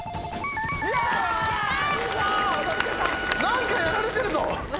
何かやられてるぞ